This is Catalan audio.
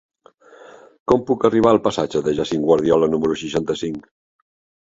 Com puc arribar al passatge de Jacint Guardiola número seixanta-cinc?